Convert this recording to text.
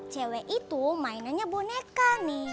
cewek itu mainannya boneka nih